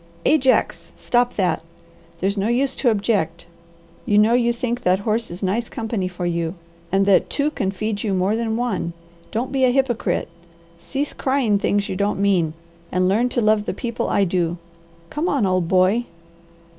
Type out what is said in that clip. Ajax, stop that! There's no use to object. You know you think that horse is nice company for you, and that two can feed you more than one. Don't be a hypocrite! Cease crying things you don't mean, and learn to love the people I do. Come on, old boy!"